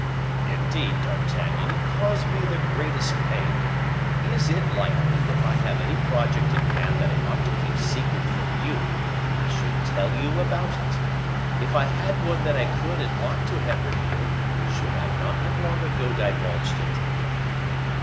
"Indeed, D'Artagnan, you cause me the greatest pain. Is it likely, if I have any project in hand that I ought to keep secret from you, I should tell you about it? If I had one that I could and ought to have revealed, should I not have long ago divulged it?"